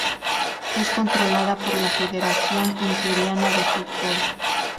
Es controlada por la Federación Nigeriana de Fútbol.